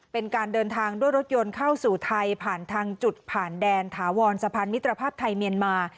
เป็นการเดินทางด้วยรถยนต์เข้าสู่ไทยผ่านทางจุดผ่านแดนถาวรสะพานมิตรภาพไทยเมียนมา